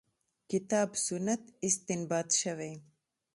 کتاب سنت استنباط شوې.